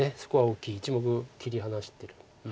１目切り離してる。